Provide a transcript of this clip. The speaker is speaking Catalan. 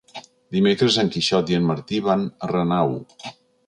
Dimecres en Quixot i en Martí van a Renau.